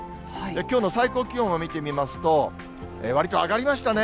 きょうの最高気温を見てみますと、わりと上がりましたね。